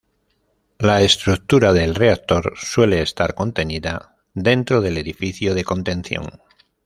La estructura del reactor suele estar contenida dentro del edificio de contención.